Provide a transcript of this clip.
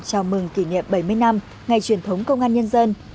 chào mừng kỷ niệm bảy mươi năm ngày truyền thống công an nhân dân